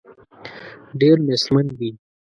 ډېر نېستمن دي.